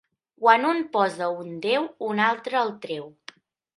Quan un posa un déu, un altre el treu.